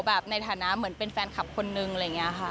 แบบในฐานะเหมือนเป็นแฟนคลับคนนึงอะไรอย่างนี้ค่ะ